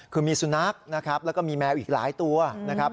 คือมีสุนัขนะครับแล้วก็มีแมวอีกหลายตัวนะครับ